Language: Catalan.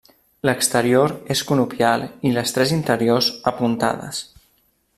L'exterior és conopial i les tres interiors apuntades.